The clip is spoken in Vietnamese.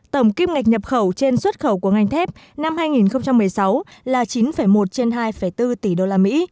tổng kim ngạch nhập khẩu trên xuất khẩu của ngành thép năm hai nghìn một mươi sáu là chín một trên hai bốn tỷ đô la mỹ